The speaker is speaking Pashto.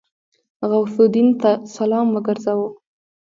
غوث الدين سلام وګرځاوه.